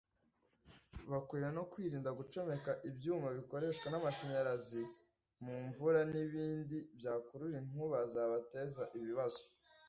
Bakwiye no kwirinda gucomeka ibyuma bikoreshwa n’amashanyarazi mu mvura n’ ibindi byakurura inkuba zabateza ibibazo”